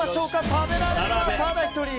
食べられるのはただ１人。